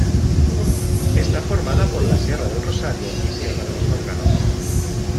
Está formada por la Sierra del Rosario y Sierra de los Órganos.